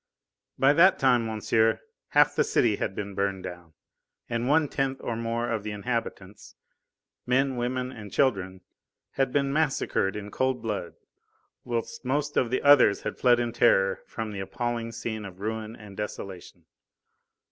By that time, monsieur, half the city had been burned down, and one tenth and more of the inhabitants men, women, and children had been massacred in cold blood, whilst most of the others had fled in terror from the appalling scene of ruin and desolation.